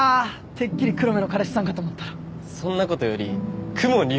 てっきり黒目の彼氏さんかと思ったらそんなことより公文竜